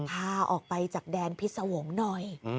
พาออกไปจากแดนพิษวงศ์หน่อย